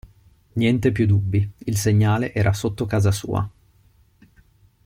Niente più dubbi, il segnale era sotto casa sua.